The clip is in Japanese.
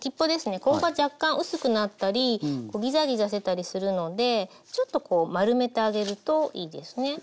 ここが若干薄くなったりギザギザしてたりするのでちょっとこう丸めてあげるといいですね。